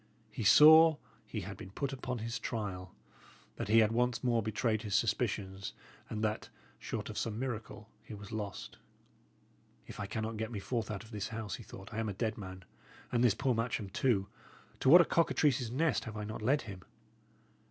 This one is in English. He saw he had been put upon his trial, that he had once more betrayed his suspicions, and that, short of some miracle, he was lost. "If I cannot get me forth out of this house," he thought, "I am a dead man! And this poor Matcham, too to what a cockatrice's nest have I not led him!"